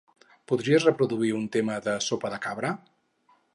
Podries reproduir un tema de Sopa de Cabra?